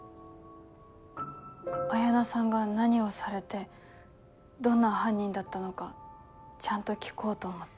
彩菜さんが何をされてどんな犯人だったのかちゃんと聞こうと思って。